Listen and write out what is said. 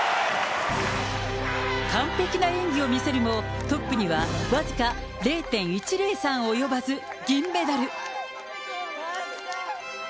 完璧な演技を見せるも、トップには僅か０．１０３及ばず、銀メダル。